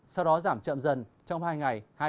sau đó giảm chậm dần trong hai ngày hai mươi chín và ba mươi